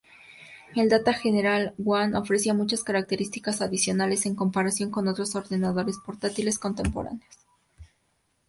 El Data General-One ofrecía muchas características adicionales en comparación con otros ordenadores portátiles contemporáneos.